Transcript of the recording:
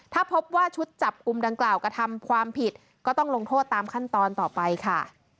ถ้าพบว่าชุดจับกลุ่มดังกล่าวกระทำความผิดก็ต้องลงโทษตามขั้นตอนต่อไปค่ะ